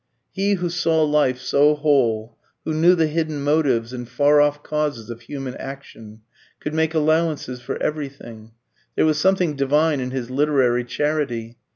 He who saw life so whole, who knew the hidden motives and far off causes of human action, could make allowances for everything. There was something divine in his literary charity.